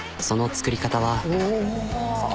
その作り方は。